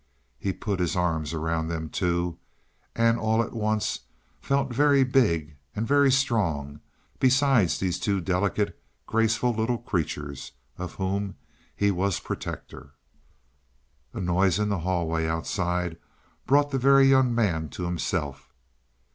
He put his arms around them, too, and all at once he felt very big and very strong beside these two delicate, graceful little creatures of whom he was protector. A noise in the hallway outside brought the Very Young Man to himself.